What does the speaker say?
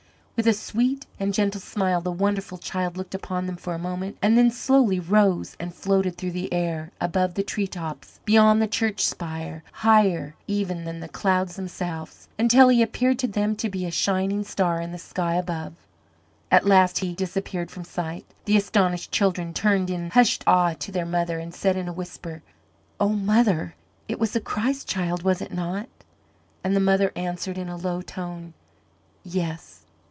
With a sweet and gentle smile the wonderful child looked upon them for a moment, and then slowly rose and floated through the air, above the treetops, beyond the church spire, higher even than the clouds themselves, until he appeared to them to be a shining star in the sky above. At last he disappeared from sight. The astonished children turned in hushed awe to their mother, and said in a whisper, "Oh, mother, it was the Christ Child, was it not?" And the mother answered in a low tone, "Yes."